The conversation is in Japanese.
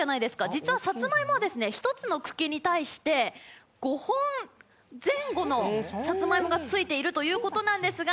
実はさつまいもは１つの茎に対して５本前後のさつまいもがついているということなんですが